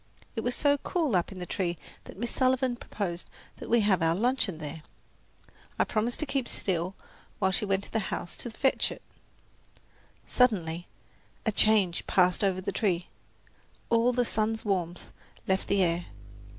It was so cool up in the tree that Miss Sullivan proposed that we have our luncheon there. I promised to keep still while she went to the house to fetch it. Suddenly a change passed over the tree. All the sun's warmth left the air.